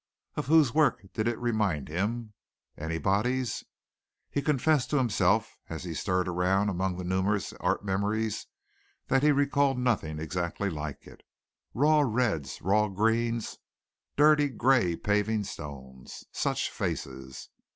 Of whose work did it remind him anybody's? He confessed to himself as he stirred around among his numerous art memories that he recalled nothing exactly like it. Raw reds, raw greens, dirty grey paving stones such faces!